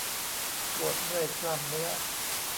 ปวดเมื่อยกล้ามเนื้อ